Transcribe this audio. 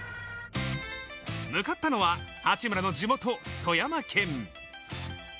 向かったのは八村の地元・富山県。